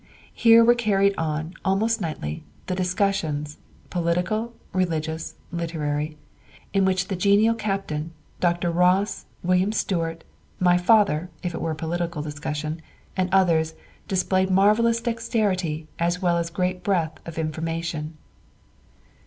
Here were carried on, almost nightly, the discussions—political, religious, literary—in which the genial captain, Dr. Ross, Wm. Stewart, my father (if it was a political discussion) and others displayed marvellous dexterity, as well as great breadth of information.